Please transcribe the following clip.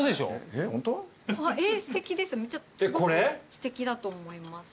すてきだと思います。